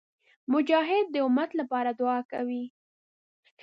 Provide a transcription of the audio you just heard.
مجاهد د امت لپاره دعا کوي.